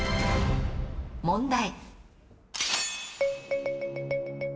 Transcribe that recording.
問題。